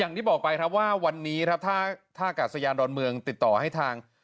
อย่างที่บอกไปครับว่าวันนี้ครับถ้าท่ากาศยานดอนเมืองติดต่อให้ทาง